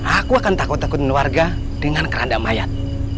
aku akan takut takutin warga dengan keranda mayat